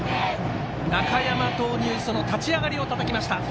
中山投入、その立ち上がりをたたきました。